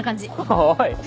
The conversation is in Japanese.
おい！